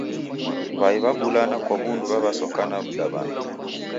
W'ai w'abulana kwa w'undu w'aw'asokana mdaw'ana